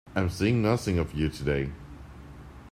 I'm seeing nothing of you today.